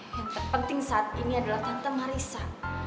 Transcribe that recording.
yang terpenting saat ini adalah tante marisa